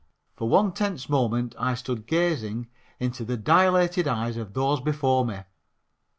For one tense moment I stood gazing into the dilated eyes of those before me.